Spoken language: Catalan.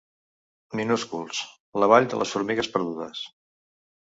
Minúsculs, la vall de les formigues perdudes.